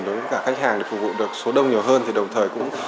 đối với các khách hàng để phục vụ được số đông nhiều hơn